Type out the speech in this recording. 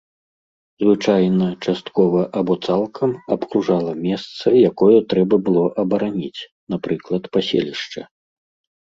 Звычайна, часткова або цалкам, абкружала месца, якое трэба было абараніць, напрыклад, паселішча.